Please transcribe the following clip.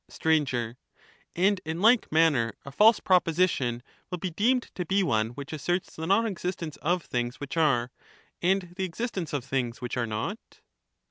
Str, And in like manner, a false proposition will be deemed to be one which asserts the non existence of things which are, and the existence of things which are not.